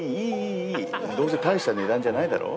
どうせ大した値段じゃないだろ？